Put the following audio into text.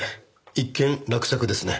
一件落着ですね。